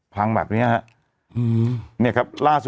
พังแบบนี้นะครับ